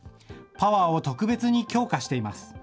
パワーを特別に強化しています。